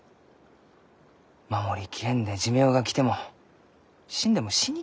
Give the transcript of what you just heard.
守り切れんで寿命が来ても死んでも死に切れんじゃろう。